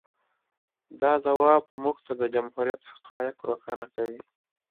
د ځواب موږ ته د جمهوریت حقایق روښانه کوي.